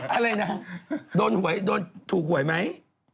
อะไรนะถูกถ่วยไหม